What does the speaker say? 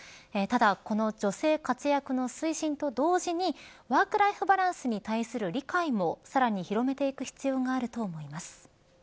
ただこの女性活躍の推進と同時にワークライフバランスに対する理解もさらに広めていく必要があると思います。